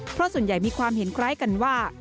เพราะส่วนใหญ่มีความเห็นคล้ายกันว่า